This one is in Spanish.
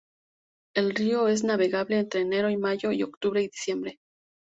El río es navegable entre enero y mayo, y octubre y diciembre.